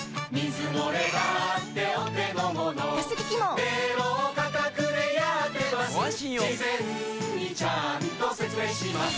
事前にちゃんと説明します